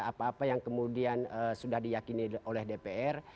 apa apa yang kemudian sudah diyakini oleh dpr